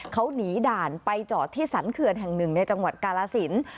เขาหนีด่านไปจอดที่สรรเขื่อนแห่งหนึ่งในจังหวัดกาลสิน